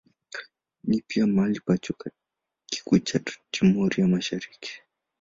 Ni pia mahali pa chuo kikuu cha Timor ya Mashariki.